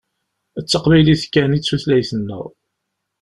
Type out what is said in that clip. D taqbaylit kan i d tutlayt-nneɣ.